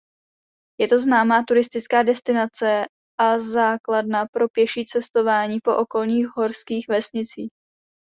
Je to známá turistická destinace a základna pro pěší cestování po okolních horských vesnicích.